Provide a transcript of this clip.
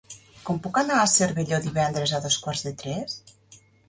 Com puc anar a Cervelló divendres a dos quarts de tres?